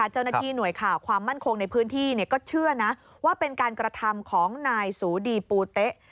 เจ้าหน้าที่หน่วยข่าวความมั่นคงในพื้นที่ก็เชื่อนะว่าเป็นการกระทำของนายสูดีปูเต๊ะ